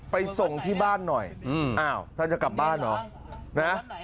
ไปส่งที่บ้านหน่อยอ้าวท่านจะกลับบ้านเหรอนะ